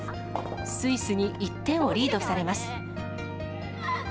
スイスに１点をリードされます。